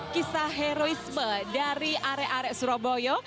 kisah heroisme dari arek arek surabaya